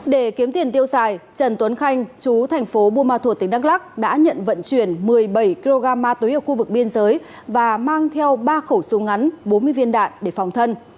để kiếm tiền tiêu xài trần tuấn khanh chú thành phố buôn ma thuột tỉnh đắk lắc đã nhận vận chuyển một mươi bảy kg ma túy ở khu vực biên giới và mang theo ba khẩu súng ngắn bốn mươi viên đạn để phòng thân